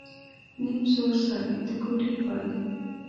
نيم سوړسک ، د کوټې پاى.